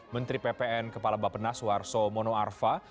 menteri ppn kepala bapak naswar soe mono arfa